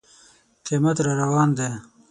قیامت را روان دی.